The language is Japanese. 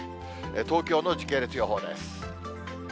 東京の時系列予報です。